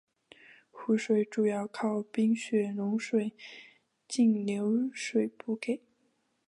湖水主要靠冰雪融水径流补给。